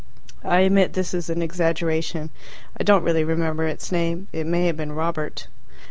(I admit this is an exaggeration. I don't really remember its name; it may have been Robert.)